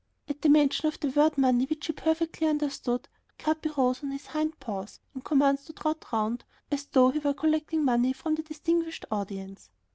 At the mention of the word money, which he perfectly understood, Capi rose on his hind paws and commenced to trot round as though he were collecting money from the "distinguished audience."